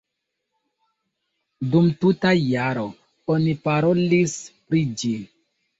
Dum tuta jaro oni parolis pri ĝi.